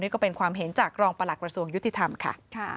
ก็เป็นความเห็นจากรองประหลักกระทรวงยุติธรรมค่ะ